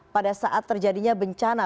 pada saat terjadinya bencana